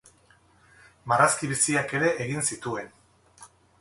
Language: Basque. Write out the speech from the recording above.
Marrazki biziak ere egin zituen.